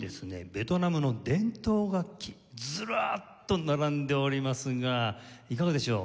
ベトナムの伝統楽器ずらっと並んでおりますがいかがでしょう？